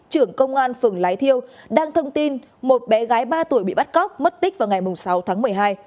trưởng công an phường lái thiêu đăng thông tin một bé gái ba tuổi bị bắt cóc mất tích vào ngày sáu tháng một mươi hai